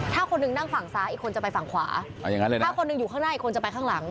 ถ้าคนนึงนั่งฝั่งซ้าอีกคนจะไปฝั่งขวาถ้าคนนึงอยู่ข้างหน้าอีกคนจะไปข้างหลัง